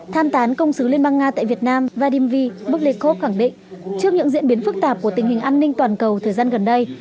tham tán công sứ liên bang nga tại việt nam vadim vy bức lê cốc khẳng định trước những diễn biến phức tạp của tình hình an ninh toàn cầu thời gian gần đây